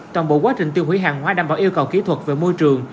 toàn bộ quá trình tiêu hủy hàng hóa đảm bảo yêu cầu kỹ thuật về môi trường